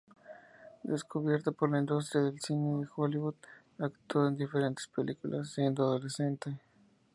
Descubierto por la industria del cine de Hollywood, actuó en diferentes películas siendo adolescente.